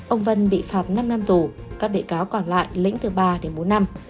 ông vân bị phạt năm năm tù các bị cáo còn lại lĩnh từ ba đến bốn năm